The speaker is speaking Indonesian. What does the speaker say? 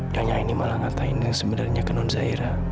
nyonya ini malah ngatain yang sebenarnya ke non zaira